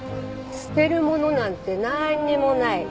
捨てるものなんてなんにもない。